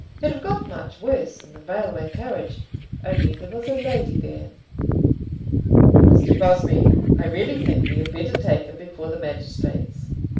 He'd have got much worse in the railway carriage, only there was a lady there." "Mr. Crosbie, I really think we had better take him before the magistrates."